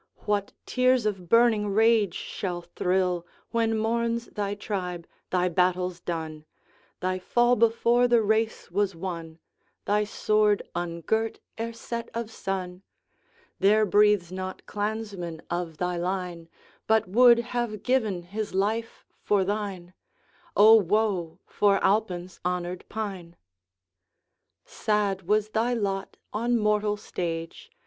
What tears of burning rage shall thrill, When mourns thy tribe thy battles done, Thy fall before the race was won, Thy sword ungirt ere set of sun! There breathes not clansman of thy line, But would have given his life for thine. O, woe for Alpine's honoured Pine! 'Sad was thy lot on mortal stage!